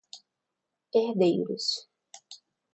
herdeiros